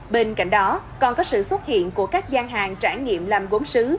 bên cạnh đó còn có sự xuất hiện của các gian hàng trải nghiệm làm gốm xứ